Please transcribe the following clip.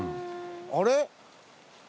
あれ？